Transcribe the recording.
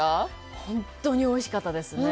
本当においしかったですね。